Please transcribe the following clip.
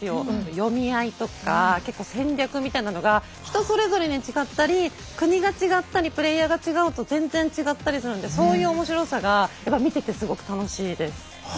読み合いとか結構戦略みたいなのが人それぞれに違ったり国が違ったりプレイヤーが違うと全然違ったりするんでそういう面白さがやっぱ見ててすごく楽しいです。